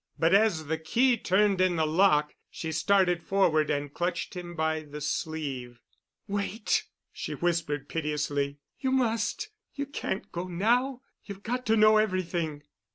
But as the key turned in the lock, she started forward and clutched him by the sleeve. "Wait," she whispered piteously. "You must. You can't go now. You've got to know everything."